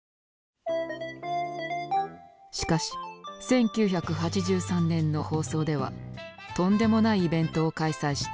しかし１９８３年の放送ではとんでもないイベントを開催した。